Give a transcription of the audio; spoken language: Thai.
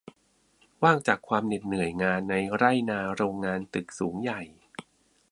ว่างจากความเหน็ดเหนื่อยงานในไร่นา โรงงาน ตึกสูงใหญ่